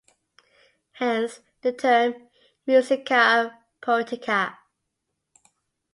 Hence, the term "musica poetica".